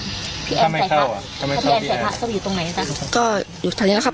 ถ้าไม่เข้าอ่ะถ้าพี่แอนใช่ภาพเขาอยู่ตรงไหนนะครับก็อยู่ทางนี้นะครับ